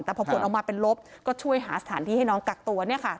แต่พอผลออกมาเป็นลบก็ช่วยหาสถานที่ให้น้องกักตัว